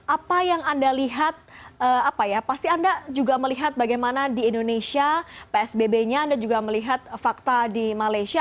apa yang anda lihat apa ya pasti anda juga melihat bagaimana di indonesia psbb nya anda juga melihat fakta di malaysia